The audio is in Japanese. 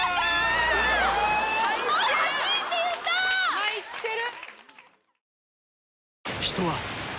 入ってる。